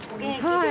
はい。